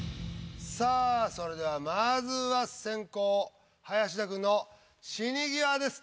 さあそれではまずは先攻・林田君の「死に際」です。